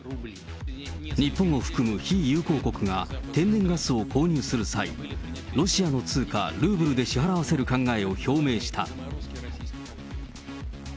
日本を含む非友好国が天然ガスを購入する際、ロシアの通貨、ルーブルで支払わせる考えを表明した。